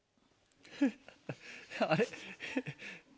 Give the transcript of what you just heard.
あれ？